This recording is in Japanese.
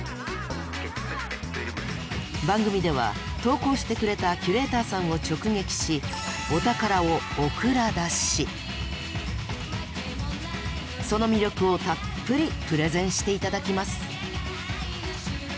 番組では投稿してくれたキュレーターさんを直撃しお宝をその魅力をたっぷりプレゼンして頂きます！